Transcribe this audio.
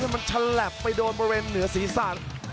มันฉลับไปโดนบริเวณเหนือศีรษะ